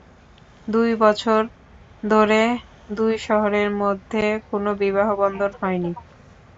দুই বছর ধরে দুই শহরের মধ্যে কোনো বিবাহ- বন্ধন হয়নি।